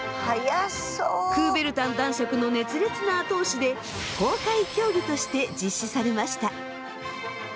クーベルタン男爵の熱烈な後押しで公開競技として実施されました。